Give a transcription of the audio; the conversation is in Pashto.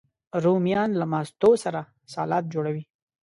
رومیان له ماستو سره سالاد جوړوي